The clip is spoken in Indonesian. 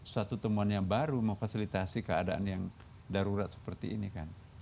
suatu temuan yang baru memfasilitasi keadaan yang darurat seperti ini kan